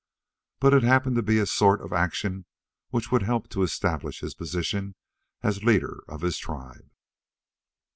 But it happened to be a sort of action which would help to establish his position as leader of his tribe.